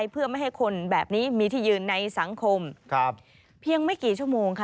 เพียงไม่กี่ชั่วโมงค่ะ